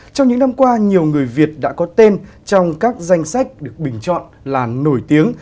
trong những năm qua nhiều người việt đã có tên trong các danh sách được bình chọn là nổi tiếng